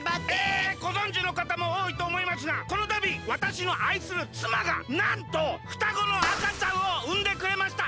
えごぞんじのかたもおおいとおもいますがこのたびわたしのあいするつまがなんとふたごのあかちゃんをうんでくれました！